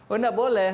oh tidak boleh